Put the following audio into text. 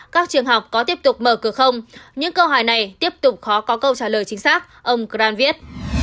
các trường học có tiếp tục mở cửa không những câu hỏi này tiếp tục khó có câu trả lời chính xác ông gran viết